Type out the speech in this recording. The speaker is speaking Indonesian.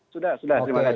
sudah sudah terima kasih